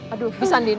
aduh bisa din